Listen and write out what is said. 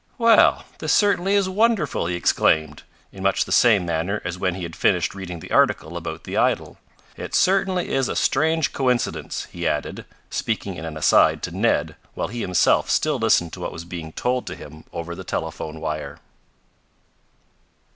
"Well, this certainly is wonderful!" he exclaimed, in much the same manner as when he had finished reading the article about the idol. "It certainly is a strange coincidence," he added, speaking in an aside to Ned while he himself still listened to what was being told to him over the telephone wire.